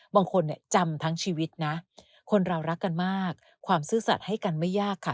บางคนเนี่ยจำทั้งชีวิตนะคนเรารักกันมากความซื่อสัตว์ให้กันไม่ยากค่ะ